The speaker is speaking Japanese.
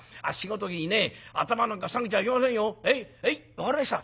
分かりました。